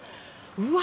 うわ！